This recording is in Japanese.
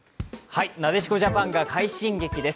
なでしこジャパンが快進撃です。